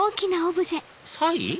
サイ？